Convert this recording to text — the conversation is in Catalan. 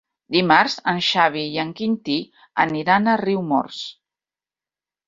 Dimarts en Xavi i en Quintí aniran a Riumors.